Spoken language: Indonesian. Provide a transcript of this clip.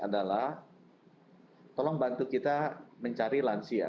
adalah tolong bantu kita mencari lansia